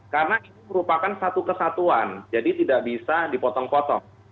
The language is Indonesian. karena ini merupakan satu kesatuan jadi tidak bisa dipotong potong